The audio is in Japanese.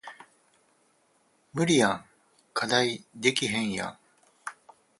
無理やん課題できへんやん